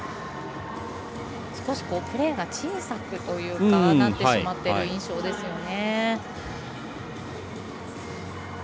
少しプレーが小さくなってしまっている印象ですよね。